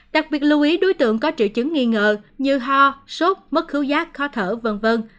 đặc biệt lưu ý đối tượng có triệu chứng nghi ngờ như ho sốt mất cứu giác khó thở v v